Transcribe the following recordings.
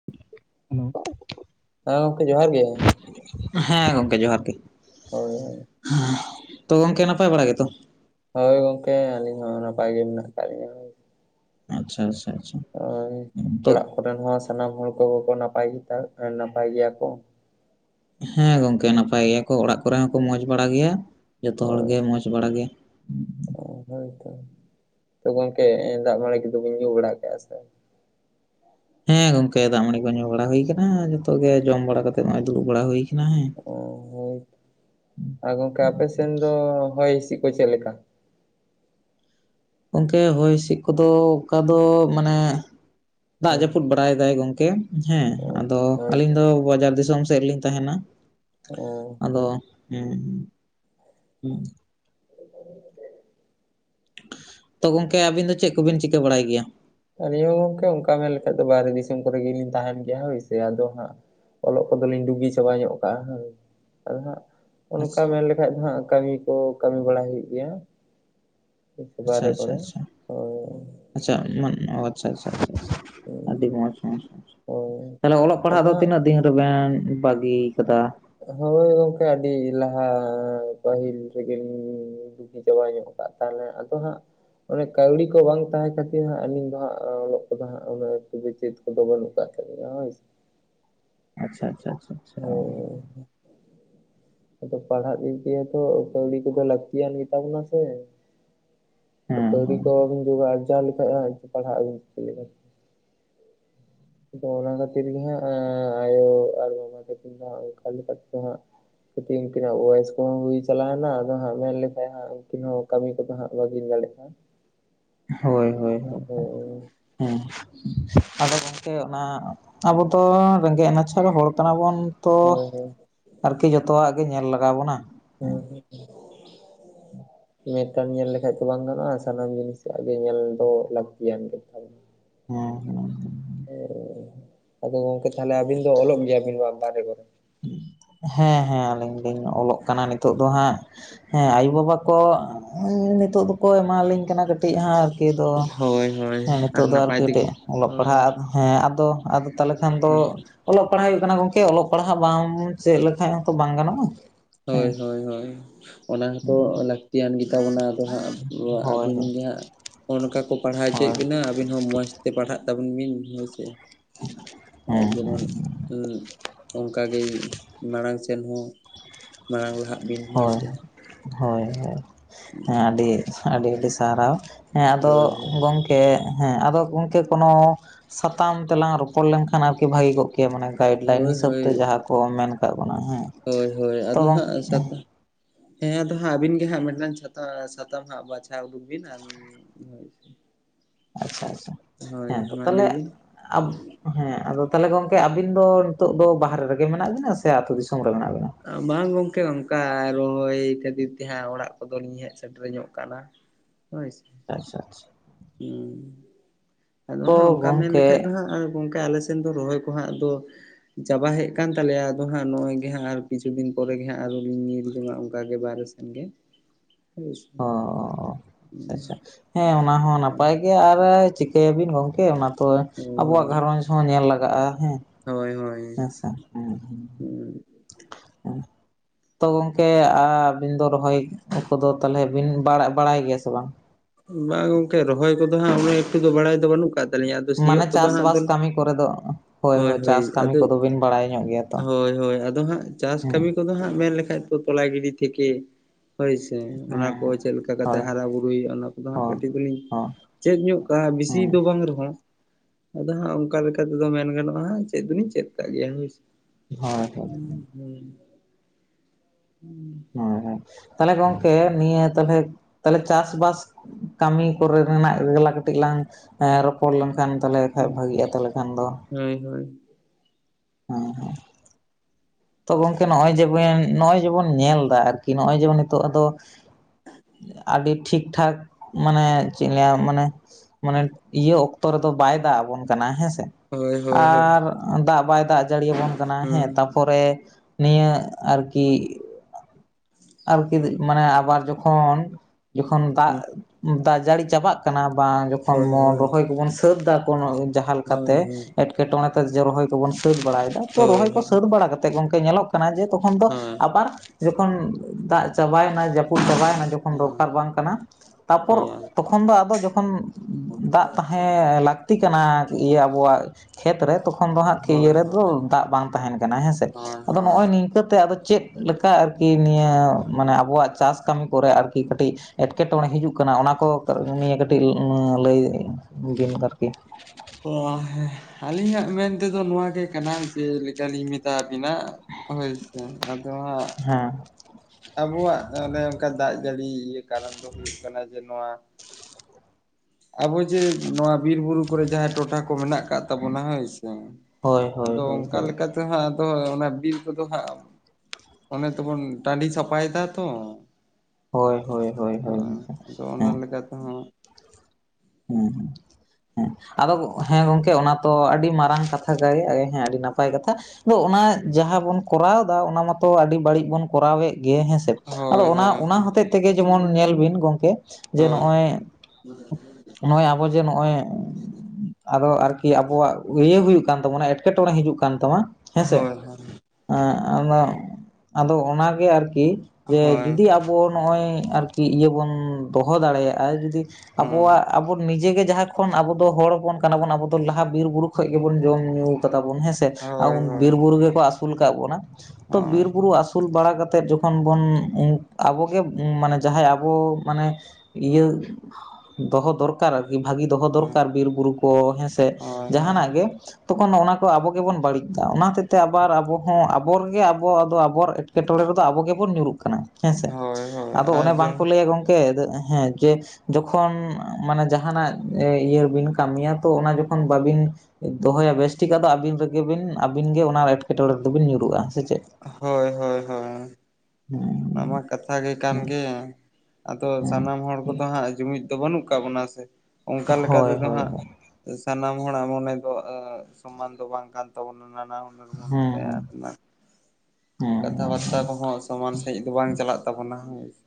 [unintelligible] ᱦᱮᱸ ᱜᱚᱢᱠᱮ ᱡᱚᱦᱟᱨ ᱜᱮ ᱦᱮᱸ ᱜᱚᱢᱠᱮ ᱡᱚᱦᱟᱨ ᱜᱮ ᱦᱳᱭ ᱦᱳᱭ ᱛᱚ ᱜᱚᱢᱠᱮ ᱱᱟᱯᱟᱭ ᱵᱟᱲᱟ ᱜᱮᱛᱚ ᱦᱳᱭ ᱜᱚᱝᱠᱮ ᱟᱹᱞᱤᱧ ᱦᱚᱸ ᱱᱟᱯᱟᱭ ᱜᱮ ᱢᱮᱱᱟᱜ ᱟᱠᱟᱫ ᱞᱤᱧᱟ ᱟᱪᱪᱷᱟ ᱟᱪᱪᱷᱟ ᱟᱪᱪᱷᱟ ᱛᱚ ᱚᱲᱟᱜ ᱠᱚᱨᱮᱱ ᱦᱚᱸ ᱥᱟᱱᱟᱢ ᱦᱚᱲ ᱠᱚ ᱠᱚ ᱱᱟᱯᱟᱭ ᱜᱮᱛᱟ ᱱᱟᱯᱟᱭ ᱜᱮᱭᱟ ᱠᱚ ᱦᱮᱸ ᱜᱚᱝᱠᱮ ᱱᱟᱯᱟᱭ ᱜᱮᱭᱟ ᱠᱚ ᱚᱲᱟᱜ ᱠᱚᱨᱮ ᱦᱚᱸᱠᱚ ᱢᱚᱸᱡᱽ ᱵᱟᱲᱟ ᱜᱮᱭᱟ ᱡᱚᱛᱚ ᱦᱚᱲ ᱜᱮ ᱢᱚᱸᱡᱽ ᱵᱟᱲᱟ ᱜᱮ ᱚ ᱦᱳᱭᱛᱚ ᱛᱚ ᱜᱚᱝᱠᱮ ᱫᱟᱜ ᱢᱟᱲᱤ ᱠᱚᱫᱚ ᱵᱮᱱ ᱧᱩ ᱵᱟᱲᱟ ᱠᱟᱜᱼᱟ ᱥᱮ ᱵᱟᱝ ᱦᱮᱸ ᱜᱚᱝᱠᱮ ᱫᱟᱜ ᱢᱟᱹᱲᱤ ᱠᱚ ᱧᱩ ᱵᱟᱲᱟ ᱦᱩᱭ ᱟᱠᱟᱱᱟ ᱡᱚᱛᱚ ᱜᱮ ᱡᱚᱢ ᱵᱟᱲᱟ ᱠᱟᱛᱮᱜ ᱱᱚᱜᱼᱚᱭ ᱫᱩᱲᱩᱵ ᱵᱟᱲᱟ ᱦᱩᱭ ᱠᱟᱱᱟ ᱦᱮᱸ ᱚ ᱦᱳᱭ ᱟᱨ ᱜᱚᱢᱠᱮ ᱟᱯᱮ ᱥᱮᱱ ᱫᱚ ᱦᱚᱭ ᱦᱤᱥᱤᱫ ᱠᱚ ᱪᱮᱫ ᱞᱮᱠᱟ ᱜᱚᱝᱠᱮ ᱦᱚᱭ ᱦᱤᱥᱤᱫ ᱠᱚᱫᱚ ᱚᱠᱟ ᱫᱚ ᱢᱟᱱᱮ ᱫᱟᱜ ᱦᱮᱸ ᱡᱟᱹᱯᱩᱫ ᱵᱟᱲᱟᱭ ᱫᱟᱭ ᱜᱚᱢᱠᱮ ᱦᱮᱸ ᱚ ᱟᱫᱚ ᱦᱳᱭ ᱟᱹᱞᱤᱧ ᱫᱚ ᱵᱟᱡᱟᱨ ᱫᱤᱥᱚᱢ ᱥᱮᱫᱞᱤᱧ ᱛᱟᱦᱮᱱᱟ ᱚ ᱟᱫᱚ ᱦᱳᱭ ᱩᱸ ᱦᱩᱸ [unintelligible] ᱛᱚ ᱜᱚᱢᱠᱮ ᱟᱹᱵᱤᱱ ᱫᱚ ᱪᱮᱫ ᱠᱚᱵᱤᱱ ᱪᱤᱠᱟᱹ ᱵᱟᱲᱟᱭ ᱜᱮᱭᱟ ᱟᱹᱞᱤᱧ ᱦᱚᱸ ᱜᱚᱢᱠᱮ ᱚᱱᱠᱟ ᱢᱮᱱ ᱞᱮᱠᱷᱟᱡ ᱫᱚ ᱵᱟᱦᱨᱮ ᱫᱤᱥᱚᱢ ᱠᱚᱨᱮ ᱜᱮᱞᱤᱧ ᱛᱟᱦᱮᱱ ᱜᱮᱭᱟ ᱦᱳᱭᱥᱮ ᱟᱫᱚ ᱦᱟᱸᱜ ᱚᱞᱚᱜ ᱠᱚᱫᱚᱞᱤᱧ ᱰᱩᱜᱤ ᱪᱟᱵᱟ ᱧᱚᱜ ᱠᱟᱜᱼᱟ ᱦᱳᱭ ᱟᱫᱚ ᱦᱟᱸᱜ ᱚᱱᱠᱟ ᱟᱪᱪᱷᱟ ᱢᱮᱱ ᱞᱮᱠᱷᱟᱡ ᱫᱚ ᱦᱟᱸᱜ ᱠᱟᱹᱢᱤ ᱠᱚ ᱠᱟᱹᱢᱤ ᱵᱟᱲᱟ ᱦᱩᱭᱩᱜ ᱜᱮᱭᱟ ᱥᱮ ᱵᱟᱨᱮ ᱟᱪᱪᱷᱟ ᱠᱚᱨᱮ ᱟᱪᱪᱷᱟ ᱦᱳᱭ ᱟᱪᱪᱷᱟ ᱟᱪᱪᱷᱟ ᱟᱪᱪᱷᱟ ᱟᱹᱰᱤ ᱢᱚᱡ ᱢᱚᱡ ᱦᱳᱭ ᱛᱟᱦᱚᱞᱮ ᱚᱞᱚᱜ ᱟᱫᱚ ᱯᱟᱲᱦᱟᱜ ᱫᱚ ᱦᱟᱸᱜ ᱛᱤᱱᱟᱹᱜ ᱫᱤᱱ ᱨᱮᱵᱮᱱ ᱵᱟᱹᱜᱤ ᱟᱠᱟᱫᱟ ᱦᱳᱭ ᱜᱚᱢᱠᱮ ᱟᱹᱰᱤ ᱞᱟᱦᱟ ᱯᱟᱹᱦᱤᱞ ᱨᱮᱜᱮ ᱵᱩᱜᱤ ᱪᱟᱵᱟᱭ ᱧᱚᱜ ᱠᱟᱜ ᱛᱟᱦᱚᱞᱮ ᱟᱫᱚ ᱦᱟᱸᱜ ᱚᱱᱮ ᱠᱟᱹᱣᱰᱤ ᱠᱚ ᱵᱟᱝ ᱛᱟᱦᱮᱸ ᱠᱷᱟᱹᱛᱤᱨ ᱦᱟᱸᱜ ᱟᱹᱞᱤᱧ ᱫᱚ ᱦᱟᱸᱜ ᱚᱞᱚᱜ ᱠᱚᱫᱚ ᱦᱟᱸᱜ ᱛᱚᱵᱮ ᱛᱤᱛ [unintelligible] ᱟᱪᱪᱷᱟ ᱟᱪᱪᱷᱟ ᱟᱪᱪᱷᱟ ᱟᱪᱪᱷᱟ ᱦᱳᱭ [inaudible] ᱟᱫᱚ ᱯᱟᱲᱦᱟᱜ ᱫᱤᱠ ᱫᱤᱭᱮ ᱛᱚ ᱠᱟᱹᱣᱰᱤ ᱠᱚᱫᱚ ᱞᱟᱹᱠᱛᱤᱭᱟᱱ ᱜᱮᱛᱟ ᱵᱚᱱᱟ ᱥᱮ ᱦᱮᱸ ᱠᱟᱹᱣᱰᱤ ᱦᱮᱸ ᱠᱚ ᱡᱚᱜᱟᱣ ᱟᱨᱡᱟᱣ ᱞᱮᱠᱷᱟᱱ ᱯᱟᱲᱦᱟᱜ ᱟᱹᱵᱤᱱ ᱪᱤᱠᱟᱹ ᱞᱮᱠᱟᱛᱮ ᱟᱫᱚ ᱚᱱᱟ ᱠᱷᱟᱹᱛᱤᱨ ᱜᱮ ᱦᱟᱸᱜ ᱮᱸ ᱟᱭᱳ ᱟᱨ ᱵᱟᱵᱟ ᱛᱟᱹᱠᱤᱱ ᱫᱚ ᱦᱟᱸᱜ ᱠᱟᱹᱢᱤ ᱠᱟᱡ ᱠᱚᱸ ᱦᱟᱸᱜ ᱠᱟᱹᱴᱤᱡ ᱩᱱᱠᱤᱱᱟᱜ ᱵᱚᱭᱮᱥ ᱠᱚᱦᱚᱸ ᱦᱩᱭ ᱪᱟᱞᱟᱣᱮᱱᱟ ᱟᱫᱚ ᱦᱟᱸᱜ ᱢᱮᱱ ᱞᱮᱠᱷᱟᱡ ᱦᱟᱸᱜ ᱩᱱᱠᱤᱱ ᱦᱚᱸ ᱠᱟᱹᱢᱤ ᱠᱚᱫᱚ ᱦᱟᱸᱜ ᱵᱟᱹᱜᱤᱱ ᱫᱟᱲᱮ [inaudible] ᱦᱳᱭ ᱦᱳᱭᱦᱳᱭ ᱦᱮᱸ ᱟᱫᱚ ᱜᱚᱢᱠᱮ ᱚᱱᱟ ᱟᱵᱚ ᱫᱚ ᱨᱮᱸᱜᱮᱡᱽ ᱱᱟᱪᱟᱨ ᱦᱚᱲ ᱠᱟᱱᱟᱵᱚᱱ ᱛᱚ ᱦᱳᱭ ᱟᱨᱠᱤ ᱡᱚᱛᱚᱣᱟᱜ ᱜᱮ ᱧᱮᱞ ᱞᱟᱜᱟᱣ ᱵᱚᱱᱟ ᱦᱮᱸ ᱦᱮᱸ [inaudible] ᱢᱤᱴᱟᱝ ᱧᱮᱞ ᱞᱮᱠᱷᱟᱡ ᱫᱚ ᱵᱟᱝ ᱜᱟᱱᱚᱜᱼᱟ ᱥᱟᱱᱟᱢ ᱡᱤᱱᱤᱥᱟᱜ ᱜᱮ ᱧᱮᱞ ᱫᱚ ᱞᱟᱹᱠᱛᱤᱭᱟᱱ ᱜᱮᱛᱟ ᱵᱚᱱᱟ ᱦᱚᱸ ᱦᱚᱸ ᱟᱫᱚ ᱜᱚᱢᱠᱮ ᱛᱟᱦᱚᱞᱮ ᱟᱵᱤᱱ ᱫᱚ ᱚᱞᱚᱜ ᱜᱮᱭᱟ ᱵᱤᱱ ᱢᱟ ᱵᱟᱦᱨᱮ ᱠᱚᱨᱮ ᱦᱮᱸ ᱦᱮᱸ ᱟᱹᱞᱤᱧ ᱫᱩᱞᱤᱧ ᱚᱞᱚᱜ ᱠᱟᱱᱟ ᱱᱤᱛᱚᱜ ᱫᱚ ᱦᱟᱸᱜ ᱦᱮᱸ ᱟᱭᱳᱼᱵᱟᱵᱟ ᱠᱚ ᱱᱤᱛᱚᱜ ᱫᱚᱠᱚ ᱮᱢᱟᱞᱤᱧ ᱦᱧ ᱠᱟᱱᱟ ᱠᱟᱹᱴᱤᱡᱜ ᱟᱨᱠᱤ ᱫᱚ ᱦᱳᱭ ᱦᱳᱭ ᱱᱤᱛᱚᱜ ᱟᱨ ᱫᱚ ᱱᱟᱯᱟᱭ ᱛᱮᱜᱮ ᱟᱨᱠᱤᱴᱤᱡ ᱚᱞᱚᱜ ᱦᱳᱭ ᱯᱟᱲᱦᱟᱜ ᱦᱮᱸ ᱟᱫᱚ ᱟᱫᱚ ᱛᱟᱦᱚᱞᱮ ᱠᱷᱟᱱ ᱫᱚ ᱦᱩᱸ᱾ ᱚᱞᱚᱜ ᱯᱟᱲᱦᱟᱜ ᱦᱩᱭᱩᱜ ᱠᱟᱱᱟ ᱜᱚᱢᱠᱮ ᱚᱞᱚᱜ ᱯᱟᱲᱦᱟᱜ ᱵᱟᱢ ᱪᱮᱫ ᱞᱮᱠᱷᱟᱡ ᱦᱚᱸᱛᱚ ᱵᱟᱝ ᱜᱟᱱᱚᱜᱼᱟ ᱦᱮᱸ ᱦᱳᱭ ᱦᱳᱭ ᱦᱳᱭ ᱚᱱᱟ ᱦᱚᱸᱛᱚ ᱞᱟᱹᱠᱛᱤᱭᱟᱱ ᱜᱮᱛᱟᱵᱚᱱᱟ ᱦᱟᱸᱜ ᱦᱳᱭ ᱟᱹᱵᱤᱱ ᱦᱳᱭ ᱡᱟᱦᱟᱸ ᱦᱟᱸᱜ ᱜ ᱱᱚᱱᱠᱟ ᱠᱚ ᱯᱟᱲᱦᱟᱣ ᱚᱪᱚᱭᱮᱫ ᱦᱳᱭ ᱵᱤᱱᱟ ᱟᱵᱤᱱ ᱦᱚᱸ ᱢᱚᱡᱽ ᱛᱮ ᱯᱟᱲᱦᱟᱜ ᱛᱟᱵᱤᱱ ᱵᱤᱱ ᱦᱳᱭ ᱥᱮ ᱟᱨ ᱦᱮᱸ ᱦᱮᱸ ᱡᱮᱢᱚᱱ ᱤᱧ ᱚᱱᱠᱟ ᱜᱮ ᱢᱟᱲᱟᱝ ᱥᱮᱱ ᱦᱚᱸ ᱢᱟᱲᱟᱝ ᱞᱟᱦᱟ ᱵᱤᱱ ᱦᱳᱭ ᱥᱮ ᱦᱳᱭ ᱦᱳᱭ ᱦᱮᱸ ᱟᱹᱰᱤ ᱟᱹᱰᱤ ᱟᱹᱰᱤ ᱥᱟᱨᱦᱟᱣ ᱦᱮᱸ ᱟᱫᱚ ᱦᱳᱭ ᱜᱚᱢᱠᱮ ᱮᱜ ᱦᱮᱸ ᱟᱫᱚ ᱜᱚᱝᱠᱮ ᱠᱚᱱᱚ ᱥᱟᱛᱟᱢ ᱛᱮᱞᱟᱝ ᱨᱚᱯᱼᱼ ᱨᱚᱯᱚᱲ ᱞᱮᱱᱠᱷᱟᱱ ᱟᱨᱠᱤ ᱵᱷᱟᱹᱜᱤ ᱠᱚᱜ ᱠᱮᱭᱟ ᱢᱟᱱᱮ ᱜᱟᱭᱤᱰ ᱞᱟᱭᱤᱱ ᱦᱳᱭ ᱦᱤᱥᱟᱹᱵ ᱦᱳᱭ ᱛᱮ ᱡᱟᱦᱟᱸ ᱠᱚ ᱢᱮᱱ ᱠᱟᱜ ᱵᱚᱱᱟ ᱦᱮᱸ ᱦᱳᱭ ᱦᱳᱭ ᱛᱚ ᱟᱫᱚ ᱜᱚᱝ ᱦᱟᱸᱜ ᱥᱟᱛᱟᱢ ᱦᱮᱸ ᱟᱫᱚ ᱦᱟᱸᱜ ᱟᱹᱵᱤᱱ ᱜᱮ ᱦᱟᱸᱜ ᱢᱤᱫᱴᱟᱝ ᱪᱷᱟᱛᱟ ᱥᱟᱛᱟᱢ ᱦᱟᱸᱜ ᱵᱟᱪᱷᱟᱣ ᱩᱰᱩᱠ ᱵᱤᱱ ᱟᱨ ᱦᱳᱭ ᱥᱮ ᱟᱪᱪᱷᱟ ᱟᱪᱪᱷᱟ ᱦᱮᱸ ᱛᱚ ᱢᱟ ᱛᱟᱦᱞᱮ ᱞᱟᱹᱭ ᱵᱤᱱ ᱟᱵᱼᱼ ᱦᱮᱸ ᱟᱫᱚ ᱛᱟᱦᱚᱞᱮ ᱜᱚᱝᱠᱮ ᱟᱵᱤᱱ ᱫᱚ ᱱᱤᱛᱚᱜ ᱫᱚ ᱵᱟᱦᱨᱮ ᱨᱮᱜᱮ ᱢᱮᱱᱟᱜ ᱵᱤᱱᱟ ᱥᱮ ᱟᱹᱛᱩ ᱫᱤᱥᱚᱢ ᱨᱮ ᱢᱮᱱᱟᱜ ᱵᱤᱱᱟ? ᱵᱟᱝ ᱜᱚᱢᱠᱮ ᱚᱱᱠᱟ ᱨᱚᱦᱚᱭ ᱠᱷᱟᱹᱛᱤᱨ ᱛᱮ ᱦᱟᱸᱜ ᱚᱲᱟᱜ ᱠᱚᱫᱚᱞᱤᱧ ᱦᱮᱡ ᱥᱮᱴᱮᱨ ᱧᱚᱜ ᱠᱟᱱᱟ ᱦᱳᱭ ᱥᱮ ᱟᱪᱪᱷᱟ ᱟᱪᱪᱷᱟ ᱦᱩᱸ ᱟᱫᱚ ᱛᱚ ᱦᱟᱸᱜ ᱚᱱᱠᱟ ᱢᱮᱱ ᱜᱚᱝᱠᱮ ᱞᱮᱠᱷᱟᱡ ᱫᱚ ᱦᱟᱸᱜ ᱜᱚᱢᱠᱮ ᱟᱞᱮ ᱥᱮᱱ ᱫᱚ ᱨᱚᱦᱚᱭ ᱠᱚ ᱦᱟᱸᱜ ᱟᱫᱚ ᱪᱟᱵᱟ ᱦᱮᱡ ᱠᱟᱱ ᱛᱟᱞᱮᱭᱟ ᱟᱫᱚ ᱦᱟᱸᱜ ᱱᱚᱜᱼᱚᱭ ᱜᱮ ᱦᱟᱸᱜ ᱟᱨ ᱠᱤᱪᱷᱩ ᱫᱤᱱ ᱯᱚᱨᱮᱜᱮ ᱦᱟᱸᱜ ᱟᱨᱦᱚ ᱞᱤᱧ ᱧᱤᱨ ᱡᱚᱝᱟ ᱚᱱᱠᱟ ᱜᱮ ᱵᱟᱦᱨᱮ ᱥᱮᱱ ᱜᱮ ᱦᱳᱭ ᱥᱮ ᱚᱻ ᱟᱪᱪᱷᱟ ᱟᱪᱪᱷᱟ ᱦᱮᱸ ᱚᱱᱟ ᱦᱚᱸ ᱦᱳᱭ ᱱᱟᱯᱟᱭ ᱜᱮ ᱜᱮ ᱟᱨ ᱪᱤᱠᱟᱹᱭᱟᱵᱤᱱ ᱜᱚᱝᱠᱮ ᱚᱱᱟ ᱛᱚ ᱟᱵᱚᱣᱟᱜ ᱦᱳᱭ ᱜᱷᱟᱨᱚᱡᱽ ᱦᱚᱸ ᱧᱮᱞ ᱞᱟᱜᱟᱜᱼᱟ ᱦᱮᱸ ᱦᱳᱭ ᱦᱳᱭ [unintelligible] ᱦᱮᱸ ᱦᱮᱸ ᱛᱚ ᱜᱚᱢᱠᱮ ᱟᱹᱵᱤᱱ ᱫᱚ ᱨᱚᱦᱚᱭ ᱠᱚᱫᱚ ᱛᱟᱦᱚᱞᱮ ᱵᱤᱱ ᱵᱟᱲᱟᱭ ᱜᱮᱭᱟ ᱥᱮ ᱵᱟᱝ? ᱵᱟᱝ ᱜᱚᱢᱠᱮ ᱨᱚᱦᱚᱭ ᱠᱚᱫᱚ ᱦᱟᱸᱜ ᱚᱱᱮ ᱮᱠᱴᱩ ᱫᱚ ᱵᱟᱲᱟᱭ ᱫᱚ ᱵᱟᱹᱱᱩᱜ ᱟᱠᱟᱫ ᱛᱟᱞᱤᱧᱟ ᱟᱫᱚ ᱢᱟᱱᱮ ᱥᱤᱭᱳᱜ ᱠᱚᱫᱚ ᱦᱟᱜ ᱪᱟᱥᱵᱟᱥ ᱠᱟᱹᱢᱤ ᱠᱚᱨᱮ ᱫᱚ ᱦᱳᱭ ᱦᱳᱭ ᱪᱟᱥ ᱠᱟᱹᱢᱤ ᱟᱫᱚ ᱠᱚᱫᱚ ᱵᱤᱱ ᱵᱟᱲᱟᱭ ᱧᱚᱜ ᱜᱮᱭᱟ ᱛᱚ ᱦᱳᱭ ᱦᱳᱭ ᱟᱫᱚ ᱦᱟᱸᱜ ᱪᱟᱥ ᱦᱮᱸ ᱠᱟᱹᱢᱤ ᱠᱚᱫᱚ ᱦᱟᱸᱜ ᱢᱮᱱ ᱞᱮᱠᱷᱟᱡ ᱛᱚᱞᱟ ᱜᱤᱰᱤ ᱛᱷᱮᱠᱮ ᱦᱳᱭᱥᱮ ᱚᱱᱟ ᱠᱚ ᱦᱮᱸ ᱪᱮᱫ ᱞᱮᱠᱟ ᱠᱟᱛᱮ ᱦᱳᱭ ᱦᱟᱨᱟ ᱵᱩᱨᱩᱭ ᱚᱱᱟ ᱫᱚ ᱦᱟᱸᱜ ᱦᱳᱭ ᱠᱟᱹᱴᱤᱡ ᱫᱚᱞᱤᱧ ᱦᱳᱭ ᱪᱮᱫ ᱧᱚᱜ ᱠᱟᱜᱼᱟ ᱵᱤᱥᱤ ᱦᱮᱸ ᱫᱚ ᱵᱟᱝ ᱨᱮᱦᱚᱸ ᱟᱫᱚ ᱦᱟᱸᱜ ᱚᱱᱠᱟ ᱞᱮᱠᱟ ᱛᱮᱫᱚ ᱢᱮᱱ ᱜᱟᱱᱚᱜᱼᱟ ᱪᱮᱫ ᱫᱚᱞᱤᱧ ᱪᱮᱫ ᱠᱟᱜ ᱜᱮᱭᱟ ᱦᱳᱭ ᱦᱳᱭ [unintelligible] ᱦᱳᱭ ᱦᱮᱸ ᱦᱮᱸ ᱦᱮᱸ ᱦᱮᱸ ᱛᱟᱦᱞᱮ ᱜᱚᱝᱠᱮ ᱱᱤᱭᱟᱹ ᱛᱟᱦᱞᱮ ᱛᱟᱦᱞᱮ ᱪᱟᱥ ᱵᱟᱥ ᱠᱟᱹᱢᱤ ᱠᱚᱨᱮᱱᱟᱜ ᱜᱮᱞᱟ ᱠᱟᱹᱴᱤᱡ ᱞᱟᱝ ᱨᱚᱯᱚᱲ ᱞᱮᱱᱠᱷᱟᱱ ᱛᱟᱞᱦᱮ ᱠᱷᱟᱡ ᱵᱷᱟᱹᱜᱤᱜᱼᱟ ᱛᱟᱦᱚᱞᱮ ᱠᱷᱟᱱ ᱫᱚ ᱦᱳᱭ ᱦᱳᱭ ᱦᱮᱸ ᱦᱮᱸ ᱛᱚ ᱜᱚᱝᱠᱮ ᱱᱚᱜᱼᱚᱭ ᱡᱮ ᱱᱚᱜᱼᱚᱭ ᱡᱮᱵᱚᱱ ᱧᱮᱞᱫᱟ ᱟᱨᱠᱤ ᱱᱚᱜᱼᱚᱭ ᱡᱮᱢᱚᱱ ᱱᱤᱛᱚᱜ ᱟᱫᱚ ᱟᱹᱰᱤ ᱴᱷᱤᱠ ᱴᱷᱟᱠ ᱢᱟᱱᱮ ᱪᱮᱫ ᱤᱧ ᱞᱟᱹᱭᱟ ᱢᱟᱱᱮ ᱢᱟᱱᱮ ᱤᱭᱟᱹ ᱚᱠᱛᱚ ᱨᱮᱫᱚ ᱵᱟᱭ ᱫᱟᱜ ᱟᱵᱚᱱ ᱠᱟᱱᱟ ᱦᱮᱸ ᱥᱮ ᱦᱳᱭ ᱦᱳᱭ ᱦᱳᱭ ᱟᱨ ᱫᱟᱜ ᱵᱟᱭ ᱫᱟᱜ ᱡᱟᱹᱲᱤᱭᱟᱵᱚᱱ ᱠᱟᱱᱟ ᱦᱮᱸ ᱦᱩᱸ ᱛᱟᱼ ᱯᱚᱨᱮ ᱱᱤᱭᱟᱹ ᱟᱨᱠᱤ ᱟᱨᱠᱤ ᱢᱟᱱᱮ ᱟᱵᱟᱨ ᱡᱚᱠᱷᱚᱱ ᱡᱚᱠᱷᱚᱱ ᱫᱟᱜ ᱦᱩᱸ ᱫᱟᱜ ᱡᱟᱹᱲᱤ ᱪᱟᱵᱟᱜ ᱠᱟᱱᱟ ᱵᱟᱝ ᱡᱚᱠᱷᱚᱱ ᱦᱳᱭ ᱵᱚᱱ ᱦᱳᱭ ᱨᱚᱦᱚᱭ ᱠᱚᱵᱚᱱ ᱥᱟᱹᱛ ᱫᱟ ᱡᱟᱦᱟᱸ ᱞᱮᱠᱟ ᱦᱳᱭ ᱦᱳᱭ ᱛᱮ ᱦᱳᱭ ᱮᱴᱠᱮᱴᱚᱬᱮ ᱛᱮ ᱨᱚᱦᱚᱭ ᱠᱚᱵᱚᱱ ᱥᱟᱹᱛ ᱵᱟᱲᱟᱭ ᱫᱟ ᱛᱚ ᱦᱳᱭ ᱦᱳᱭ ᱦᱳᱭ ᱨᱚᱦᱚᱭ ᱠᱚ ᱥᱟᱹᱛ ᱵᱟᱲᱟ ᱠᱟᱛᱮ ᱧᱮᱞᱚᱜ ᱠᱟᱱᱟ ᱡᱮ ᱛᱚᱠᱷᱚᱱ ᱫᱚ ᱟᱵᱟᱨ ᱡᱚᱠᱷᱚᱱ ᱫᱟᱜ ᱪᱟᱵᱟᱭᱱᱟ ᱯᱩᱲ ᱪᱟᱵᱟᱭᱱᱟ ᱡᱚᱠᱷᱚᱱ ᱦᱳᱭ ᱫᱚᱨᱠᱟᱨ ᱵᱟᱝ ᱠᱟᱱᱟ ᱛᱟᱯᱚᱨ ᱛᱚᱠᱷᱚᱱ ᱫᱚ ᱟᱫᱚ ᱡᱚᱠᱷᱚᱱ ᱫᱟᱜ ᱛᱟᱦᱮᱸ ᱞᱟᱹ ᱼᱼᱠᱛᱤ ᱠᱟᱱᱟ ᱤᱭᱟᱹ ᱟᱵᱚᱣᱟᱜ ᱠᱷᱮᱛ ᱨᱮ ᱛᱚᱠᱷᱚᱱ ᱫᱚ ᱦᱟᱸᱜ ᱤᱭᱟᱹ ᱦᱳᱭ ᱦᱳᱭ ᱨᱮᱫᱚ ᱫᱟᱜ ᱵᱟᱝ ᱛᱟᱦᱮᱱ ᱠᱟᱱᱟ ᱦᱮᱸ ᱥᱮ ᱦᱳᱭ ᱟᱫᱚ ᱦᱳᱭ ᱱᱚᱜᱼᱚᱭ ᱱᱤ ᱱᱤᱝᱠᱟᱹ ᱛᱮ ᱟᱫᱚ ᱪᱮᱫ ᱞᱮᱠᱟ ᱟᱨᱠᱤ ᱱᱤᱭᱟᱹ ᱢᱟᱱᱮ ᱟᱵᱚᱣᱟᱜ ᱪᱟᱥ ᱠᱟᱹᱢᱤ ᱠᱚᱨᱮ ᱟᱨᱠᱤ ᱠᱟᱹᱴᱤᱡ ᱮᱸᱴᱠᱮᱴᱚᱬᱮ ᱦᱤᱡᱩᱜ ᱠᱟᱱᱟ ᱚᱱᱟ ᱠᱚ ᱱᱤᱭᱮ ᱠᱟᱹᱴᱤᱡ ᱞᱟᱹᱭ ᱵᱤᱱ ᱟᱨᱠᱤ ᱠᱚ ᱦᱮᱸ ᱟᱹᱞᱤᱧᱟᱜ ᱢᱮᱱ ᱛᱮᱫᱚ ᱱᱚᱣᱟ ᱜᱮ ᱠᱟᱱᱟ ᱪᱮᱫ ᱞᱮᱠᱟ ᱞᱤᱧ ᱢᱮᱛᱟ ᱟᱵᱤᱱᱟ ᱦᱳᱭ ᱥᱮ ᱟᱫᱚ ᱦᱮᱸ ᱟᱵᱚᱣᱟᱜ ᱚᱱᱮ ᱚᱝᱠᱟ ᱫᱟᱜ ᱡᱟᱹᱲᱤ ᱤᱭᱟᱹ ᱠᱟᱨᱚᱱ ᱫᱚ ᱦᱩᱭᱩᱜ ᱠᱟᱱᱟ ᱡᱮ ᱱᱚᱣᱟ ᱟᱵᱚ ᱡᱮ ᱱᱚᱣᱟ ᱵᱤᱨ ᱵᱩᱨᱩ ᱠᱚᱨᱮ ᱡᱟᱦᱟᱸ ᱴᱚᱴᱷᱟ ᱠᱚ ᱢᱮᱱᱟᱜ ᱠᱟᱫ ᱛᱟᱵᱚᱱᱟ ᱦᱳᱭ ᱥᱮ ᱦᱳᱭ ᱦᱳᱭ ᱟᱫᱚ ᱦᱳᱭ ᱚᱱᱠᱟ ᱦᱳᱭ ᱞᱮᱠᱟ ᱛᱮ ᱦᱚᱸ ᱟᱫᱚ ᱚᱱᱟ ᱵᱤᱨ ᱠᱚᱫᱚ ᱦᱟᱸᱜ ᱚᱱᱮ ᱛᱚᱵᱚᱱ ᱴᱟᱺᱰᱤ ᱥᱟᱯᱷᱟᱭ ᱫᱟ ᱛᱚ ᱦᱳᱭ ᱦᱳᱭ ᱦᱳᱭ ᱦᱳᱭ ᱟᱫᱚ ᱚᱱᱟ ᱦᱮᱸ ᱞᱮᱠᱟ ᱛᱮᱦᱚᱸ ᱦᱩᱸ ᱦᱩᱸ ᱦᱮᱸ ᱟᱫᱚ ᱦᱮᱸ ᱜᱚᱝᱠᱮ ᱚᱱᱟ ᱛᱚ ᱟᱹᱰᱤ ᱢᱟᱨᱟᱝ ᱠᱟᱛᱷᱟ ᱜᱮ ᱦᱮᱸ ᱟᱹᱰᱤ ᱱᱟᱯᱟᱭ ᱠᱟᱛᱷᱟ ᱫᱚ ᱚᱱᱟ ᱡᱟᱦᱟᱸ ᱵᱚᱱ ᱠᱚᱨᱟᱣᱫᱟ ᱚᱱᱟ ᱢᱟᱛᱚ ᱟᱹᱰᱤ ᱵᱟᱹᱲᱤᱡ ᱵᱚᱱ ᱠᱚᱨᱟᱣᱮᱫ ᱜᱮ ᱦᱮᱸ ᱥᱮ ᱟᱫᱚ ᱦᱳᱭ ᱚᱱᱟ ᱦᱳᱭ ᱚᱱᱟ ᱦᱚᱛᱮᱡ ᱛᱮᱜᱮ ᱡᱮᱢᱚᱱ ᱧᱮᱞ ᱵᱤᱱ ᱜᱚᱝᱠᱮ ᱡᱮ ᱦᱳᱭ ᱱᱚᱜᱼᱚᱭ ᱱᱚᱜᱼᱚᱭ ᱟᱵᱚ ᱡᱮ ᱱᱚᱜᱼᱚᱭ ᱟᱫᱚ ᱟᱨᱠᱤ ᱟᱵᱚᱣᱟᱜ ᱤᱭᱟᱹ ᱦᱩᱭᱩᱜ ᱠᱟᱱ ᱛᱟᱵᱚᱱᱟ ᱮᱸᱴᱠᱮᱴᱚᱬᱮ ᱦᱤᱡᱩᱜ ᱠᱟᱱ ᱛᱟᱢᱟ ᱦᱮᱸ ᱥᱮ ᱦᱳᱭ ᱮᱸᱜ ᱚᱱᱟ ᱟᱫᱚ ᱚᱱᱟᱜᱮ ᱟᱨ ᱠᱤ ᱡᱮ ᱦᱳᱭ ᱡᱩᱫᱤ ᱟ ᱛᱚ ᱱᱚᱜᱼᱚᱭ ᱟᱨ ᱠᱤ ᱤᱭᱟᱹ ᱵᱚᱱ ᱫᱚᱦᱚ ᱫᱟᱲᱮᱭᱟᱜᱼᱟ ᱡᱩᱫᱤ ᱦᱳᱭ ᱟᱵᱚᱣᱟᱜ ᱟᱵᱚ ᱱᱤᱡᱮᱜᱮ ᱡᱟᱦᱟᱸ ᱠᱷᱚᱱ ᱟᱵᱚ ᱦᱚᱲ ᱦᱚᱯᱚᱱ ᱠᱟᱱᱟᱵᱚᱱ ᱟᱵᱚ ᱫᱚ ᱞᱟᱦᱟ ᱵᱤᱨ ᱵᱩᱨᱩ ᱠᱷᱚᱡ ᱜᱮᱵᱚᱱ ᱡᱚᱢ-ᱧᱩ ᱠᱟᱫᱟ ᱵᱚᱱ ᱦᱮᱸ ᱥᱮ ᱟᱵ ᱦᱳᱭ ᱦᱳᱭ ᱦᱳᱭ ᱵᱤᱨ ᱵᱩᱨᱩ ᱜᱮᱠᱚ ᱟᱥᱩᱞ ᱠᱟᱜ ᱵᱚᱱᱟ ᱛᱚ ᱦᱳᱭ ᱵᱤᱨ ᱵᱩᱨᱩ ᱟᱥ ᱩᱞ ᱵᱟᱲᱟ ᱠᱟᱛᱮᱫ ᱡᱚᱠᱷᱚᱱ ᱵᱚᱱ ᱟᱵᱚᱜᱮ ᱢᱟᱱᱮ ᱡᱟᱦᱟᱸᱭ ᱟᱵᱚ ᱢᱟᱱᱮ ᱤᱭᱟᱹ ᱫᱚᱦᱚ ᱫᱚᱨᱠᱟᱨ ᱟᱨ ᱵᱷᱟᱹᱜᱤ ᱫᱚᱦᱚ ᱫᱚᱨᱠᱟᱨ ᱵᱤᱨᱼᱵᱩᱨᱩ ᱠᱚ ᱦᱮᱸ ᱥᱮ ᱦᱳᱭ ᱦᱳᱭ ᱡᱟᱸᱦᱟᱱᱟᱜ ᱜᱮ ᱛᱚᱠᱷᱚᱱ ᱚᱱᱟ ᱠᱚ ᱟᱵᱚ ᱜᱮᱵᱚᱱ ᱵᱟᱹᱲᱤᱡᱫᱟ ᱚᱱᱟ ᱦᱚᱛᱮᱡ ᱛᱮ ᱟᱵᱟᱨ ᱟᱵᱚᱦᱚᱸ ᱟᱵᱚ ᱨᱮᱜᱮ ᱟᱵᱚ ᱟᱫᱚ ᱮᱴᱠᱮᱴᱚᱬᱮ ᱨᱮᱫᱚ ᱟᱵᱚ ᱜᱮᱵᱚᱱ ᱧᱩᱨᱩᱜ ᱠᱟᱱᱟ ᱦᱮᱸ ᱥᱮ ᱦᱳᱭ ᱦᱳᱭ ᱟᱫᱚ ᱟᱨ ᱚᱱᱮ ᱵᱟᱝ ᱡᱚᱢ ᱠᱚ ᱞᱟᱹᱭᱟ ᱜᱚᱝ ᱠᱮ ᱦᱮᱸ ᱡᱮ ᱡᱚᱠᱷᱚᱱ ᱢᱟᱱᱮ ᱡᱟᱸᱦᱟᱱᱟᱜ ᱤᱭᱟᱹ ᱵᱤᱱ ᱠᱟᱹᱢᱤᱭᱟ ᱛᱚ ᱚᱱᱟ ᱡᱚᱠᱷᱚᱱ ᱵᱟᱹᱵᱤᱱ ᱫᱚᱦᱚᱭᱟ ᱵᱮᱥ ᱴᱷᱤᱠ ᱟᱫᱚ ᱟᱹᱵᱤᱱ ᱨᱮᱜᱮ ᱵᱤᱱ ᱟᱹᱵᱤᱱ ᱜᱮ ᱚᱱᱟ ᱮᱸᱴᱠᱮᱴᱚᱬᱮ ᱨᱮᱫᱚ ᱵᱤᱱ ᱧᱩᱨᱩᱜᱼᱟ ᱥᱮ ᱪᱮᱫ ᱦᱳᱭ ᱦᱳᱭ ᱦᱳᱭ ᱦᱩᱸ ᱚᱱᱟ ᱢᱟ ᱠᱟᱛᱷᱟ ᱜᱮ ᱠᱟᱱ ᱦᱩᱸ ᱜᱮ ᱟᱫᱚ ᱦᱩᱸ ᱥᱟᱱᱟᱢ ᱦᱚᱲ ᱠᱚᱫᱚ ᱦᱟᱸᱜ ᱡᱩᱢᱤᱫ ᱫᱚ ᱵᱟᱹᱱᱩᱜ ᱠᱟᱜ ᱵᱚᱱᱟ ᱥᱮ ᱚᱱᱠᱟ ᱞᱮᱠᱟ ᱦᱳᱭ ᱛᱮᱫᱚ ᱦᱳᱭ ᱦᱟᱸᱜ ᱦᱳᱭ ᱦᱩᱸ ᱥᱟᱱᱟᱢ ᱦᱚᱲᱟᱜ ᱢᱚᱱᱮ ᱫᱚ ᱥᱚᱢᱟᱱ ᱫᱚ ᱵᱟᱝ ᱠᱟᱱ ᱛᱟᱵᱚᱱᱟ ᱱᱟᱱᱟ ᱦᱩᱱᱟᱹ ᱦᱩᱱᱟᱹᱨ ᱢᱚᱱᱮᱛᱮ ᱦᱩᱸ ᱦᱩᱸ ᱚᱱᱟ ᱦᱩᱸ ᱠᱟᱛᱷᱟ ᱦᱩᱸ ᱵᱟᱛᱟ ᱠᱚᱦᱚᱸ ᱥᱚᱢᱟᱱ ᱦᱮᱡ ᱫᱚ ᱵᱟᱝ ᱪᱟᱞᱟᱜ ᱛᱟᱵᱚᱱᱟ ᱦᱳᱭ ᱥᱮ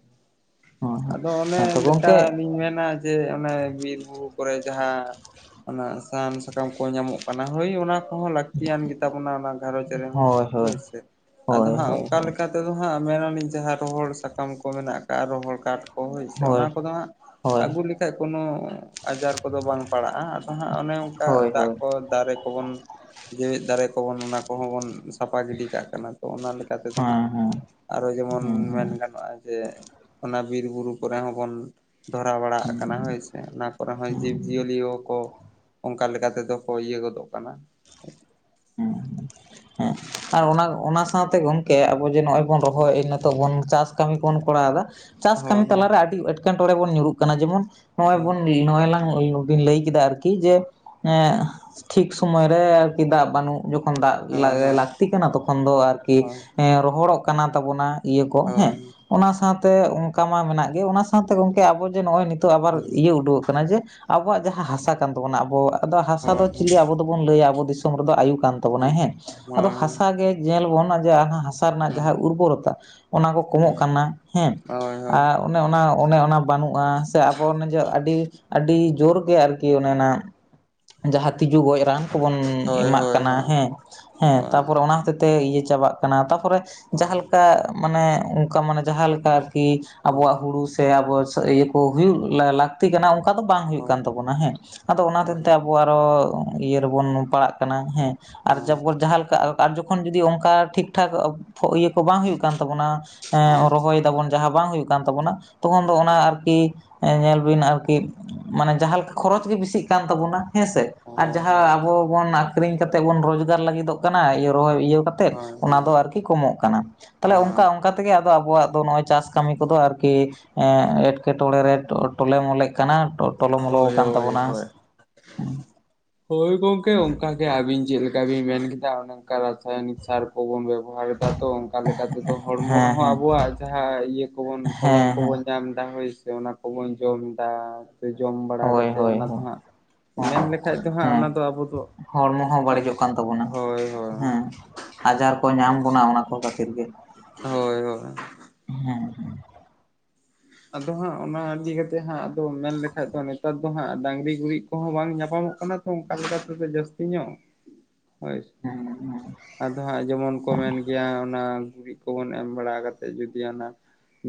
ᱦᱳᱭ ᱦᱳᱭ ᱟᱫᱚ ᱚᱱᱮ ᱦᱮᱸᱛᱚ ᱞᱮᱠᱟ ᱜᱚᱝᱠᱮ ᱞᱤᱧ ᱢᱮᱱᱟ ᱡᱮ ᱚᱱᱮ ᱵᱤᱨ ᱵᱩᱨᱩ ᱠᱚᱨᱮ ᱡᱟᱦᱟᱸ ᱚᱱᱟ ᱥᱟᱦᱟᱱ ᱥᱟᱠᱟᱢ ᱠᱚ ᱧᱟᱢᱚᱜ ᱠᱟᱱᱟ ᱦᱳᱭ ᱚᱱᱟ ᱠᱚᱦᱚᱸ ᱞᱟᱹᱠᱛᱤᱭᱟᱱ ᱜᱮᱛᱟᱵᱚᱱᱟ ᱚᱱᱟ ᱜᱷᱟᱸᱨᱚᱡᱽ ᱨᱮᱦᱚᱸ ᱦᱳᱭ ᱥᱮ ᱟᱫᱚ ᱦᱳᱭ ᱦᱟᱸᱜ ᱦᱳᱭ ᱚᱝᱠᱟ ᱞᱮᱠᱟ ᱛᱮᱫᱚ ᱦᱟᱸᱜ ᱢᱮᱱ ᱟᱞᱤᱧ ᱡᱟᱦᱟᱸ ᱨᱚᱦᱚᱲ ᱥᱟᱠᱟᱢ ᱠᱚ ᱢᱮᱱᱟᱜ ᱠᱟᱜ-ᱟ ᱨᱚᱦᱚᱲ ᱠᱟᱴ ᱠᱚ ᱦᱳᱭ ᱥᱮ ᱚᱱᱟ ᱠᱚᱫᱚ ᱦᱟᱸᱜ ᱦᱳᱭ ᱦᱳᱭ ᱟᱹᱜᱩ ᱞᱮᱠᱷᱟᱡ ᱠᱳᱱᱳ ᱟᱡᱟᱨ ᱠᱚᱫᱚ ᱵᱟᱝ ᱯᱟᱲᱟᱜᱼᱟ ᱟᱫᱚ ᱦᱟᱸᱜ ᱚᱱᱮ ᱚᱝᱠᱟ ᱦᱳᱭ ᱫᱟᱜ ᱦᱳᱭ ᱠᱚ ᱫᱟᱨᱮ ᱠᱚᱵᱚᱱ ᱡᱮᱣᱮᱫ ᱫᱟᱨᱮ ᱠᱚᱵᱚᱱ ᱚᱱᱟ ᱠᱚᱦᱚᱸ ᱵᱚᱱ ᱥᱟᱯᱟ ᱜᱤᱰᱤ ᱠᱟᱜ ᱠᱟᱱᱟ ᱛᱚ ᱚᱱᱟ ᱞᱮᱠᱟ ᱛᱮᱫᱚ ᱦᱟᱸᱜ ᱦᱮᱸ ᱦᱮᱸ ᱦᱳᱭ ᱡᱮᱢᱚᱱ ᱦᱮᱸ ᱢᱮᱱ ᱦᱮᱸ ᱜᱟᱱᱚᱜᱼᱟ ᱡᱮ ᱚᱱᱟ ᱵᱤᱨ ᱵᱩᱨᱩ ᱠᱚᱨᱮ ᱦᱚᱸ ᱵᱚᱱ ᱫᱷᱚᱨᱟᱣ ᱵᱟᱲᱟ ᱟᱜ ᱠᱟᱱᱟ ᱦᱳᱭ ᱥᱮ ᱚᱱᱟ ᱠᱚᱨᱮ ᱦᱚᱸ ᱦᱮᱸ ᱡᱤᱵᱽᱼᱡᱤᱭᱟᱹᱞᱤᱭᱳ ᱠᱚ ᱚᱱᱠᱟ ᱞᱮᱠᱟ ᱛᱮᱫᱚ ᱠᱚ ᱤᱭᱟᱹ ᱜᱚᱫᱚᱜ ᱠᱟᱱᱟ ᱦᱩᱸ ᱦᱩᱸ ᱦᱮᱸ ᱟᱨ ᱚᱱᱟ ᱚᱱᱟ ᱥᱟᱶᱛᱮ ᱜᱚᱝᱠᱮ ᱟᱵᱚ ᱡᱮ ᱱᱚᱜᱼᱚᱭ ᱵᱚᱱ ᱨᱚᱦᱚᱭ ᱱᱚᱛᱮ ᱵᱚᱱ ᱪᱟᱥ ᱠᱟᱹᱢᱤ ᱠᱚ ᱵᱚᱱ ᱠᱚᱨᱟᱣ ᱮᱫᱟ ᱪᱟᱥ ᱠᱟᱹᱢᱤ ᱦᱳᱭ ᱛᱟᱞᱟᱨᱮ ᱟᱹᱰᱤ ᱮᱸᱴᱠᱮᱼᱼ ᱮᱴᱠᱮᱴᱚᱬᱮ ᱵᱚᱱ ᱧᱩᱨᱩᱜ ᱠᱟᱱᱟ ᱡᱮᱢᱚᱱ‌ ᱦᱚᱸᱜ-ᱚᱭ ᱵᱚᱱ [unintelligible] ᱱᱚᱜᱚᱭ ᱞᱟᱝ ᱵᱤᱱ ᱞᱟᱹᱭ ᱠᱮᱫᱟ ᱟᱨᱠᱤ ᱡᱮ ᱮᱸᱜ ᱴᱷᱤᱠ ᱥᱚᱢᱚᱭ ᱨᱮ ᱟᱨᱠᱤ ᱫᱟᱜ ᱵᱟᱹᱱᱩᱜ ᱡᱚᱠᱷᱚᱱ ᱫᱟᱜ ᱦᱳᱭ ᱦᱳᱭ ᱞᱟᱹᱠᱛᱤ ᱠᱟᱱᱟ ᱛᱚᱠᱷᱚᱱ ᱫᱚ ᱟᱨᱠᱤ ᱦᱳᱭ ᱮᱸᱻ ᱨᱚᱦᱚᱲᱚᱜ ᱠᱟᱱᱟ ᱛᱟᱵᱚᱱᱟ ᱤᱭᱟᱹ ᱠᱚ ᱦᱮᱸ ᱦᱳᱭ ᱚᱱᱟ ᱥᱟᱶᱛᱮ ᱚᱱᱠᱟ ᱢᱟ ᱢᱮᱱᱟᱜ ᱜᱮ ᱚᱱᱟ ᱥᱟᱶᱛᱮ ᱜᱚᱝᱠᱮ ᱟᱵᱚ ᱡᱮ ᱱᱚᱜᱼᱚᱭ ᱱᱤ ᱛᱚ ᱟᱵᱟᱨ ᱤᱭᱟᱹ ᱩᱰᱩᱠᱚᱜ ᱠᱟᱱᱟ ᱡᱮ ᱟᱵᱚᱣᱟᱜ ᱡᱟᱦᱟᱸ ᱦᱟᱥᱟ ᱠᱟᱱ ᱛᱟᱵᱚᱱᱟ ᱟᱵᱚᱣᱟᱜ ᱟᱫᱚ ᱦᱟᱥᱟ ᱫᱚ ᱦᱳᱭ ᱦᱳᱭ ᱪᱤᱞᱤ ᱟᱵᱚ ᱫᱚᱵᱚᱱ ᱞᱟᱹᱭᱟ ᱟᱵᱚ ᱫᱤᱥᱚᱢ ᱨᱮᱫᱚ ᱟᱭᱩ ᱠᱟᱱ ᱛᱟᱵᱚᱱᱟ ᱦᱮᱸ ᱟᱫᱚ ᱦᱳᱭ ᱦᱟᱥᱟ ᱜᱮ ᱧᱮᱞ ᱵᱚᱱ ᱡᱮ ᱦᱟᱥᱟ ᱨᱮᱱᱟᱜ ᱦᱳᱭ ᱡᱟᱦᱟᱸ ᱩᱨᱵᱚᱨᱚᱛᱟ ᱚᱱᱟ ᱠᱚ ᱠᱚᱢᱚᱜ ᱠᱟᱱᱟ ᱦᱮᱸ ᱟᱨ ᱚᱱᱮ ᱚᱱᱟ ᱚᱱᱮ ᱚᱱᱟ ᱵᱟᱹᱱᱩᱜᱼᱟ ᱥᱮ ᱟᱵᱚ ᱱᱮᱡᱮ ᱟᱹᱰᱤ ᱟᱹᱰᱤ ᱡᱳᱨ ᱟᱨᱠᱤ ᱚᱱᱮ ᱚᱱᱟ ᱡᱟᱦᱟᱸ ᱛᱤᱡᱩ ᱜᱚᱡ ᱨᱟᱱ ᱠᱚᱵᱚᱱ ᱦᱳᱭ ᱦᱳᱭ ᱮᱢᱟᱜ ᱦᱳᱭ ᱠᱟᱱᱟ ᱦᱳᱭ ᱦᱳᱭ ᱦᱳᱭ ᱦᱳᱭ ᱦᱳᱭ ᱦᱳᱭ ᱦᱳᱭ ᱦᱳᱭ ᱦᱳᱭ ᱦᱳᱭ ᱦᱳᱭ ᱦᱮᱸ ᱦᱮᱸ ᱛᱟᱯᱚᱨᱮ ᱚᱱᱟ ᱦᱚᱛᱮᱡ ᱛᱮ ᱤᱭᱟᱹ ᱪᱟᱵᱟᱜ ᱠᱟᱱᱟ ᱛᱟᱯᱚᱨᱮ ᱡᱟᱦᱟᱸ ᱞᱮᱠᱟ ᱢᱟᱱᱮ ᱚᱝᱠᱟ ᱢᱟᱱᱮ ᱡᱟᱦᱟᱸ ᱞᱮᱠᱟ ᱟᱨ ᱠᱤ ᱟᱵᱚᱣᱟᱜ ᱦᱩᱲᱩ ᱥᱮ ᱟᱵᱚ ᱦᱩᱭᱩᱜ ᱞᱟᱹᱠᱛᱤ ᱠᱟᱱᱟ ᱚᱝᱠᱟ ᱫᱚ ᱵᱟᱝ ᱦᱩᱭᱩᱜ ᱠᱟᱱ ᱛᱟᱵᱚᱱᱟ ᱚᱱᱟ ᱦᱮᱸ ᱟᱫᱚ ᱚᱱᱟ ᱦᱚᱛᱮ ᱛᱮ ᱟᱵᱚ ᱟᱨᱚ ᱤᱭᱟᱹ ᱨᱮᱵᱚᱱ ᱯᱟᱲᱟᱜ ᱠᱟᱱᱟ ᱦᱮᱸ ᱟᱨ ᱡᱚᱵᱚ ᱡᱟᱦᱟᱸ ᱞᱮᱠᱟ ᱟᱨ ᱡᱚᱠᱷᱚᱱ ᱡᱚᱫᱤ ᱚᱝᱠᱟ ᱴᱷᱤᱠ ᱴᱷᱟᱠ ᱤᱭᱟᱹ ᱠᱚ ᱵᱟᱝ ᱦᱩᱭᱩᱜ ᱠᱟᱱ ᱛᱟᱵᱚᱱᱟ ᱨᱚᱦᱚᱭ ᱫᱟᱵᱚᱱ ᱡᱟᱦᱟᱸ ᱵᱟᱝ ᱦᱩᱭᱩᱜ ᱠᱟᱱ ᱛᱟᱵᱚᱱᱟ ᱛᱚᱠᱷᱚᱱ ᱫᱚ ᱚᱱᱟ ᱟᱨᱠᱤ ᱧᱮᱞ ᱵᱤᱱ ᱟᱨᱠᱤ ᱢᱟᱱᱮ ᱡᱟᱦᱟᱸᱞᱮᱠᱟ ᱠᱷᱚᱨᱚᱪ ᱜᱮ ᱵᱮᱥᱤᱜ ᱠᱟᱱ ᱛᱟᱵᱚᱱᱟ ᱦᱮᱸᱥᱮ ᱟᱨ ᱡᱟᱦᱟᱸ ᱟᱵᱚ ᱵᱚᱱ ᱟᱠᱷᱨᱤᱧ ᱠᱟᱛᱮ ᱵᱚᱱ ᱨᱚᱡᱽᱜᱟᱨ ᱞᱟᱹᱜᱤᱫᱚᱜ ᱠᱟᱱᱟ ᱨᱚᱦᱚᱭ ᱤᱭᱟᱹ ᱠᱟᱛᱮ ᱚᱱᱟ ᱫᱚ ᱟᱨᱠᱤ ᱠᱚᱢᱚᱜ ᱠᱟᱱᱟ ᱛᱟᱦᱚᱞᱮ ᱦᱳᱭ ᱚᱝᱠᱟ ᱚᱝᱠᱟ ᱛᱮᱜᱮ ᱟᱫᱚ ᱟᱵᱚᱣᱟᱜ ᱫᱚ ᱱᱚᱭ ᱪᱟᱥ ᱠᱟᱹᱢᱤ ᱠᱚᱫᱚ ᱟᱨᱠᱤ ᱮᱴᱠᱮᱴᱚᱬᱮ ᱨᱮ ᱴᱚᱞᱮ ᱢᱚᱞᱮᱜ ᱠᱟᱱᱟ ᱴᱚᱞᱚ ᱢᱚᱞᱚ ᱦᱳᱭ ᱦᱳᱭ ᱟᱠᱟᱱ ᱦᱳᱭ ᱛᱟᱵᱚᱱᱟ ᱦᱳᱭ ᱦᱳᱭ ᱜᱚᱝᱠᱮ ᱚᱝᱠᱟᱜᱮ ᱟᱹᱵᱤᱱ ᱪᱮᱫ ᱞᱮᱠᱟ ᱵᱤᱱ ᱢᱮᱱ ᱠᱮᱫᱟ ᱠᱟ ᱨᱟᱥᱟᱭᱚᱱᱤᱠ ᱥᱟᱨ ᱠᱚᱵᱚᱱ ᱵᱮᱵᱚᱦᱟᱨ ᱮᱫᱟ ᱛᱚ ᱚᱱᱠᱟ ᱞᱮᱠᱟ ᱛᱮᱫᱚ ᱦᱚᱲᱢᱚ ᱦᱮᱸ ᱨᱮᱦᱚᱸ ᱦᱮᱸ ᱟᱵᱚᱣᱟᱜ ᱡᱟᱦᱟᱸ ᱤᱭᱟᱹ ᱠᱚᱵᱚᱱ ᱯᱷᱚᱞᱚᱱ ᱦᱮᱸ ᱦᱮᱸ ᱠᱚᱵᱚᱱ ᱧᱟᱢ ᱮᱫᱟ ᱦᱳᱭ ᱥᱮ ᱚᱱᱟ ᱠᱚᱵᱚᱱ ᱡᱚᱢ ᱮᱫᱟ ᱡᱚᱢ ᱵᱟᱲᱟ ᱦᱳᱭ ᱠᱟᱛᱮᱫ ᱦᱳᱭ ᱚᱱᱟ ᱫᱚ ᱦᱳᱭ ᱦᱟᱜ ᱢᱮᱱ ᱞᱮᱠᱷᱟᱡ ᱫᱚ ᱦᱟᱸᱜ ᱦᱮᱸ ᱚᱱᱟ ᱫᱚ ᱟᱵᱚ ᱫᱚ ᱦᱚᱲᱢᱚ ᱦᱚᱸ ᱵᱟᱹᱲᱤᱡᱚᱜ ᱠᱟᱱ ᱛᱟᱵᱚᱱᱟ ᱦᱳᱭ ᱦᱳᱭ ᱦᱮᱸ ᱟᱡᱟᱨ ᱠᱚ ᱧᱟᱢ ᱵᱚᱱᱟ ᱚᱱᱟ ᱠᱚ ᱠᱷᱟᱹᱛᱤᱨ ᱜᱮ ᱦᱳᱭ ᱦᱳᱭ ᱦᱩᱸ ᱦᱩᱸ ᱟᱫᱚ ᱦᱟᱸᱜ ᱚᱱᱟ ᱤᱫᱤ ᱠᱟᱛᱮ ᱦᱸᱟᱜ ᱢᱮᱱ ᱞᱮᱠᱷᱟᱡ ᱫᱚ ᱱᱮᱛᱟᱨ ᱫᱚ ᱦᱟᱸᱜ ᱰᱟᱝᱨᱤ ᱜᱩᱨᱤᱡ ᱠᱚᱦᱚᱸ ᱵᱟᱝ ᱧᱟᱯᱟᱢᱚᱜ ᱠᱟᱱᱟ ᱚᱝᱠᱟ ᱡᱟᱹᱥᱛᱤ ᱧᱚᱜ [inaudible] ᱦᱳᱭ ᱟᱫ ᱟᱫᱚ ᱦᱟᱸᱜ ᱡᱮᱢᱚᱱ ᱠᱚ ᱢᱮᱱ ᱜᱮᱭᱟ ᱚᱱᱟ ᱜᱩᱨᱤᱡ ᱠᱚᱵᱚᱱ ᱮᱢ ᱵᱟᱲᱟ ᱠᱟᱛᱮ ᱡᱩᱫᱤ ᱚᱱᱟ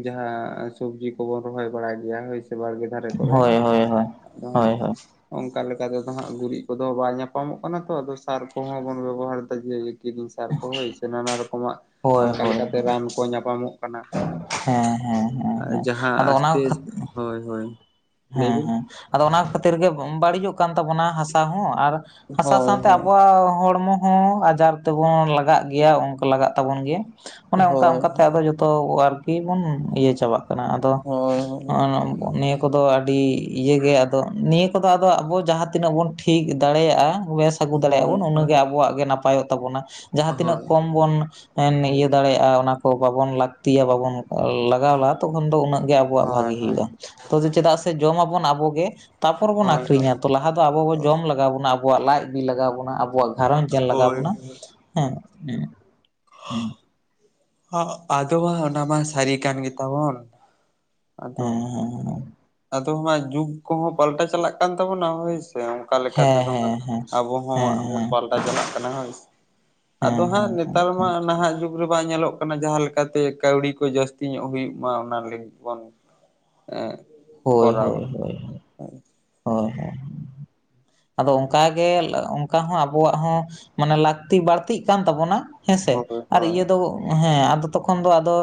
ᱡᱟᱦᱟᱸ ᱥᱚᱵᱡᱤ ᱠᱚᱵᱚᱱ ᱨᱚᱦᱚᱭ ᱵᱟᱲᱟᱭ ᱜᱮᱭᱟ ᱦᱚᱭ ᱥᱮ ᱵᱟᱲᱜᱮ ᱫᱷᱟᱨᱮ ᱦᱳᱭ ᱦᱳᱭ ᱦᱳᱭ ᱦᱳᱭ ᱦᱳᱭ ᱚᱝᱠᱟ ᱞᱮᱠᱟᱛᱮᱫᱚ ᱦᱟᱸᱜ ᱜᱩᱨᱤᱡ ᱠᱚᱫᱚ ᱵᱟᱭ ᱧᱟᱯᱟᱢᱚᱜ ᱠᱟᱱᱟ ᱛᱚ ᱟᱫᱚ ᱥᱟᱨ ᱠᱚᱦᱚᱸ ᱵᱚᱱ ᱵᱮᱵᱚᱦᱟᱨ ᱫᱟ ᱡᱮ ᱠᱤᱨᱤᱧ ᱥᱟᱨ ᱠᱚ ᱦᱳᱭ ᱱᱟᱱᱟ ᱨᱚᱠᱚᱢᱟᱜ ᱦᱳᱭ ᱚᱝᱠᱟ ᱦᱳᱭ ᱞᱮᱠᱟᱛᱮ ᱦᱳᱭ ᱨᱟᱱ ᱠᱚ ᱧᱟᱯᱟᱢᱚᱜᱼᱟ ᱦᱮᱸ ᱦᱮᱸ ᱦᱮᱸ ᱟᱨ ᱦᱮᱸ ᱡᱟᱦᱟᱸ ᱟᱫᱚ ᱚᱱᱟ ᱟᱥᱛᱮ ᱠᱷᱟᱹᱛᱤᱨ ᱦᱳᱭ ᱦᱳᱭ ᱞᱟᱹᱭ ᱦᱮᱸ ᱵᱤᱱ ᱦᱮᱸ ᱟᱫᱚ ᱚᱱᱟ ᱠᱷᱟᱹᱛᱤᱨ ᱜᱮ ᱵᱟᱹᱲᱤᱡᱚᱜ ᱠᱟᱱ ᱛᱟᱵᱚᱱᱟ ᱦᱟᱥᱟ ᱦᱚᱸ ᱟᱨ ᱦᱟᱥᱟ ᱦᱳᱭ ᱥᱟᱶᱛᱮ ᱦᱳᱭ ᱟᱵᱚᱣᱟᱜ ᱦᱚᱲᱢᱚ ᱦᱚᱸ ᱟᱡᱟᱨ ᱛᱮᱵᱚᱱ ᱞᱟᱜᱟᱜ ᱜᱮᱭᱟ ᱚᱝᱠᱟ ᱞᱟᱜᱟᱜ ᱛᱟᱵᱚᱱ ᱜᱮᱭᱟ ᱚᱱᱮ ᱚᱝᱠᱟ ᱦᱳᱭ ᱚᱱᱠᱟ ᱛᱮ ᱟᱫᱚ ᱡᱚ ᱛᱚ ᱟᱨᱠᱤ ᱵᱚᱱ ᱤᱭᱟᱹ ᱪᱟᱵᱟᱜ ᱠᱟᱱᱟ ᱟᱫᱚ ᱦᱳᱭ ᱦᱟᱸᱜ ᱱᱤᱭᱟᱹ ᱠᱚᱫᱚ ᱟᱹᱰᱤ ᱤᱭᱟᱹ ᱜᱮ ᱟᱫᱚ ᱱᱤᱭᱟᱹ ᱠᱚᱫᱚ ᱟᱫᱚ ᱟᱵᱚ ᱡᱟᱦᱟᱸ ᱛᱤᱱᱟᱹᱜ ᱵᱚᱱ ᱴᱷᱤᱠ ᱫᱟᱲᱮᱭᱟᱜᱼᱟ ᱵᱮᱥ ᱟᱹᱜᱩ ᱫᱟᱲᱮᱟᱜᱼᱟ ᱦᱳᱭ ᱵᱚᱱ ᱩᱱᱟᱹᱜᱮ ᱦᱳᱭ ᱟᱵᱚᱣᱟᱜ ᱜᱮ ᱱᱟᱯᱟᱭᱚᱜ ᱛᱟᱵᱚᱱᱟ ᱡᱟᱦᱟᱸ ᱛᱤᱱᱟᱹᱜ ᱦᱳᱭ ᱠᱚᱢ ᱵᱚᱱ ᱦᱳᱭ ᱤᱭᱟᱹ ᱫᱟᱲᱮᱭᱟᱜᱼᱟ ᱚᱱᱟ ᱠᱚ ᱵᱟᱵᱚᱱ ᱞᱟᱹᱠᱤᱭᱟ ᱵᱟᱵᱚᱱ ᱞᱟᱜᱟᱣᱞᱟ ᱛᱚᱠᱷᱚᱱ ᱫᱚ ᱩᱱᱟᱹᱜ ᱜᱮ ᱟᱵᱚᱣᱟᱜ ᱵᱷᱟᱜᱤ ᱦᱳᱭ ᱦᱩᱭᱩᱜᱼᱟ ᱛᱚ ᱪᱮᱫᱟᱜ ᱥᱮ ᱡᱚᱢ ᱟᱵᱚᱱ ᱟᱵᱚᱜᱮ ᱛᱟᱯᱚᱨ ᱵᱚᱱ ᱦᱳᱭ ᱦᱳᱭ ᱟᱠᱷᱨᱤᱧᱟ ᱛᱚ ᱦᱳᱭ ᱞᱟᱦᱟ ᱫᱚ ᱟᱵᱚ ᱵᱚ ᱡᱚᱢ ᱞᱟᱜᱟᱣ ᱵᱚᱱᱟ ᱟᱵᱚᱣᱟᱜ ᱞᱟᱡ ᱵᱤ ᱞᱟᱜᱟᱣ ᱵᱚᱱᱟ ᱟᱵᱚᱣᱟᱜ ᱜᱷᱟᱨᱚᱸᱧ ᱪᱟᱞ ᱞᱟᱜᱟᱣ ᱦᱳᱭ ᱵᱚᱱᱟ ᱦᱮᱸ ᱦᱩ ᱦᱩ ᱟᱫᱚ ᱢᱟ ᱚᱱᱟ ᱢᱟ ᱥᱟᱹᱨᱤ ᱠᱟᱱ ᱜᱮᱛᱟᱵᱚᱱ ᱟᱫᱚ ᱟᱫᱚ ᱦᱟᱜ ᱡᱩᱜᱽ ᱠᱚᱦᱚᱸ ᱯᱟᱞᱴᱟ ᱪᱟᱞᱟᱜ ᱠᱟᱱ ᱛᱟᱵᱚᱱᱟ ᱦᱳᱭ ᱥᱮ ᱠᱟ ᱞᱮᱠᱟ ᱦᱮᱸ ᱛᱮᱫᱚ ᱦᱟᱜ ᱦᱮᱸ ᱦᱮᱸ ᱦᱮᱸ ᱟᱵᱚ ᱦᱮᱸ ᱦᱚᱸᱵᱚᱱ ᱦᱮᱸ ᱯᱟᱞ ᱴᱟ ᱪᱟᱞᱟᱜ ᱠᱟᱱᱟ ᱦᱳᱭ ᱥᱮ ᱟᱫᱚ ᱦᱮᱸ ᱦᱮᱸ ᱦᱮᱸ ᱦᱟᱸᱜ ᱦᱮᱸ ᱦᱮᱸ ᱦᱮᱸ ᱱᱮᱛᱟᱨ ᱢᱟ ᱦᱮᱸ ᱱᱟᱦᱟᱜ ᱡᱩᱜᱽ ᱨᱮ ᱵᱟᱝ ᱧᱮᱞᱚᱜ ᱠᱟᱱᱟ ᱡᱟᱦᱟᱸ ᱞᱮᱠᱟᱛᱮ ᱠᱟᱹᱣᱰᱤ ᱠᱚ ᱡᱟᱹᱥᱛᱤ ᱧᱚᱜ ᱦᱩᱭᱩᱜ ᱢᱟ ᱚᱱᱟ ᱞᱟᱹᱜᱤᱫ ᱵᱚᱱ ᱦᱮ ᱦᱳᱭ ᱦᱳᱭ ᱦᱳ ᱟᱫᱚ ᱚᱱᱠᱟᱜᱮ ᱚᱱᱠᱟ ᱦᱚᱸ ᱟᱵᱚᱣᱟᱜ ᱦᱚᱸ ᱢᱟᱱᱮ ᱞᱟᱹᱠᱛᱤ ᱵᱟᱹᱲᱛᱤᱜ ᱠᱟᱱ ᱛᱟᱵᱚᱱᱟ ᱦᱮᱸᱥᱮ ᱦᱳᱭ ᱟᱨ ᱦᱳᱭ ᱤᱭᱟᱹ ᱫᱚ ᱦᱮᱸ ᱟᱫᱚ ᱛᱚᱠᱷᱚᱱ ᱫᱚ ᱟᱫᱚ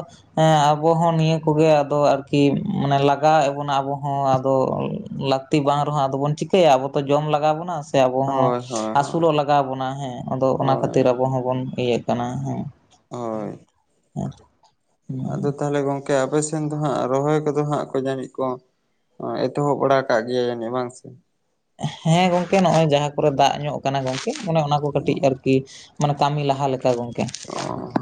ᱟᱵᱚ ᱦᱚᱸ ᱱᱤᱭᱟᱹ ᱠᱚᱜᱮ ᱟᱨᱠᱤ ᱢᱟᱱᱮ ᱞᱟᱜᱟᱣ ᱟᱵᱚ ᱦᱚᱸ ᱟᱫᱚ ᱞᱟᱹᱠᱛᱤ ᱵᱟᱝ ᱨᱮᱦᱚᱸ ᱟᱫᱚ ᱵᱚᱱ ᱪᱤᱠᱟᱹᱭᱟ ᱟᱵᱚ ᱛᱚ ᱡᱚᱢ ᱞᱟᱜᱟᱣ ᱵᱚᱱᱟ ᱟᱵᱚ ᱦᱚᱸ ᱦᱳᱭ ᱦᱳᱭ ᱦᱳᱭ ᱟᱹᱥᱩᱞᱚᱜ ᱞᱟᱜᱟᱣ ᱵᱚᱱᱟ ᱦᱮᱸ ᱟᱫᱚ ᱚᱱᱟ ᱦᱳᱭ ᱠᱷᱟᱹᱛᱤᱨ ᱟᱵᱚ ᱦᱚᱸᱵᱚᱱ ᱤᱭᱟᱹᱜ ᱠᱟᱱᱟ ᱦᱮᱸ ᱦᱳᱭ ᱟᱫᱚ ᱛᱟᱦᱚᱞᱮ ᱜᱚᱝᱠᱮ ᱟᱯᱮ ᱥᱮᱱ ᱫᱚ ᱦᱟᱸᱜ ᱨᱚᱦᱚᱭ ᱠᱚᱫᱚ ᱦᱟᱸᱜ ᱠᱚ ᱧᱟᱢᱮᱫ ᱠᱚᱣᱟ ᱮᱛᱚᱦᱚᱵ ᱵᱟᱲᱟ ᱠᱟᱜ ᱜᱮᱭᱟᱭᱹᱡᱟᱱᱤᱡ ᱵᱟᱝ ᱥᱮ ᱦᱮᱸ ᱜᱚᱝᱠᱮ ᱱᱚᱜᱼᱚᱭ ᱡᱟᱦᱟᱸ ᱠᱚᱨᱮ ᱫᱟᱜ ᱧᱚᱜ ᱠᱟᱱᱟ ᱜᱚᱝᱠᱮ ᱚᱱᱮ ᱚᱱᱟ ᱠᱚ ᱠᱟᱹᱴᱤᱡ ᱟᱨᱠᱤ [unintelligible] ᱢᱟᱱᱮ ᱠᱟᱹᱢᱤ ᱞᱟᱦᱟ ᱞᱮᱠᱟ ᱜᱚᱝᱠᱮ ᱟᱨ